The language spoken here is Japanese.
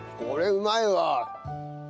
これうまいわ。